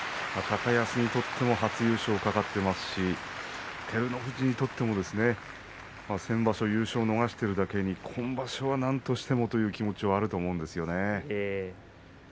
高安にとっても初優勝が懸かっていますし照ノ富士にとっても先場所、優勝を逃しているだけに今場所はなんとしてもという気持ちはあると思うんですよね。